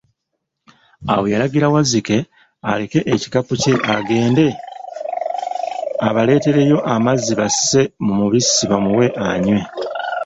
Awo yalagira Wazzike aleke ekikapu kye agende abaleetereyo amazzi basse mu mubisi bamuwe anywe.